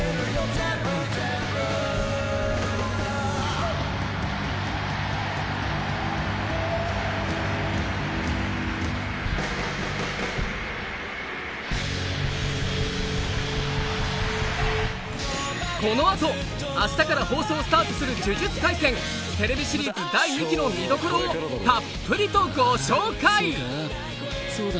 全部全部このあと明日から放送スタートする「呪術廻戦」ＴＶシリーズ第２期の見どころをたっぷりとご紹介！